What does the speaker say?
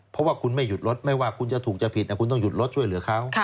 เพราะว่าคุณไม่หยุดรถไม่ว่าคุณจะถูกจะผิดคุณต้องหยุดรถช่วยเหลือเขา